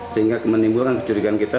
sehingga menimbulkan kecurigaan kita